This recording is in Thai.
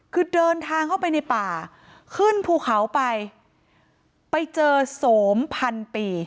คือเดินทางเข้าไปในป่าขึ้นภูเขาไปไปเจอโสมพันปี